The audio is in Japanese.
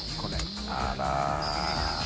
あら。